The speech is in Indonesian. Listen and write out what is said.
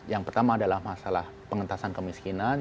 yang pertama adalah masalah pengentasan kemiskinan